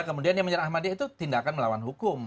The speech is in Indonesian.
kemudian yang menyerah ahmadiyah itu tindakan melawan hukum